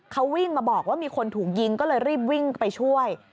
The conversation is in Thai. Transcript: เขาวิ่งมาบอกว่ามีคนถูกยิงก็เลยรีบวิ่งไปช่วย